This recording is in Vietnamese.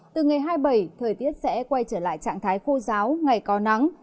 từ ngày hai mươi bảy thời tiết sẽ quay trở lại trạng thái khô giáo ngày có nắng